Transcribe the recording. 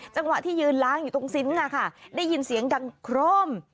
จังหวะที่ยืนล้างอยู่ตรงซิ้นได้ยินเสียงดังโครม